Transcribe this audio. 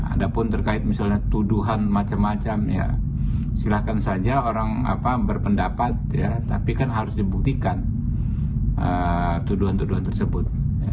ada pun terkait misalnya tuduhan macam macam ya silakan saja orang berpendapat tapi kan harus dibuktikan tuduhan tuduhan tersebut